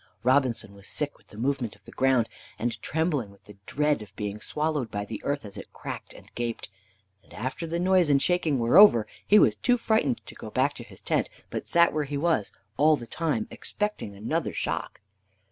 Robinson was sick with the movement of the ground, and trembling with the dread of being swallowed by the earth as it cracked and gaped; and after the noise and shaking were over, he was too frightened to go back to his tent, but sat where he was, all the time expecting another shock.